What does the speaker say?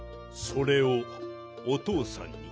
それをおとうさんに。